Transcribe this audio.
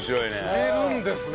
決めるんですね。